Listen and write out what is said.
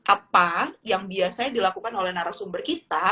apa yang biasanya dilakukan oleh narasumber kita